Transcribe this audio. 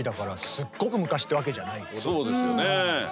そうですよね。